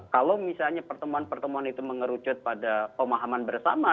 kalau misalnya pertemuan pertemuan itu mengerucut pada pemahaman bersama